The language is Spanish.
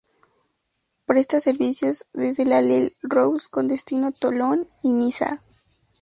Presta servicios desde la L'Île-Rousse con destino Tolón y Niza.